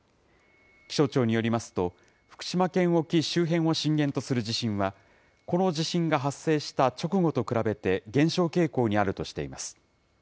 気象庁によりますと、福島県沖周辺を震源とする地震は、この地震が発生した直後と比べて減少傾向にあるとしています。